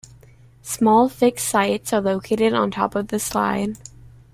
Small fixed sights are located on top of the slide.